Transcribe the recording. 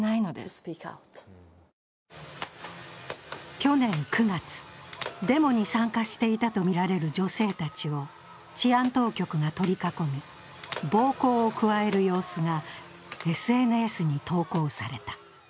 去年９月、デモに参加していたとみられる女性たちを治安当局が取り囲み、暴行を加える様子がＳＮＳに投稿された。